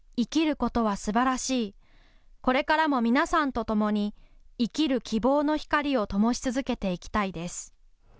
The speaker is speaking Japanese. これからも皆さんと共に生きる希望の光をともし続けていきたいです。